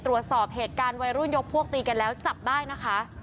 ตรวจสอบเหตุการณ์วัยรุ่นยกพวกตีกันแล้วจับได้นะคะ